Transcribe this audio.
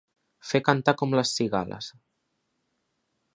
Fer cantar com les cigales.